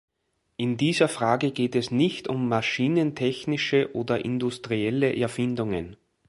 In dieser Frage geht es nicht um maschinentechnische oder industrielle Erfindungen.